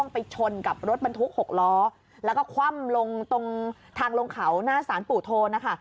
ไปชนกับรถบรรทุก๖ล้อแล้วก็คว่ำลงตรงทางลงเขาหน้าสารปู่โทนนะคะ